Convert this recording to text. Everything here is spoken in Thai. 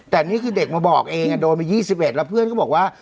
แต่นี่คือเด็กมาบอกเองโดนมา๒๑แล้วเพื่อนก็บอกว่า